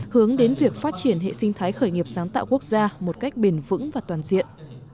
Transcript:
hướng đến việc phát triển hệ sinh thái khởi nghiệp sáng tạo quốc gia một cách bền vững và toàn diện